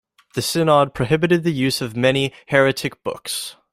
The Synod prohibited the use of many heretic books.